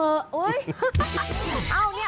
เอ้าเนี่ย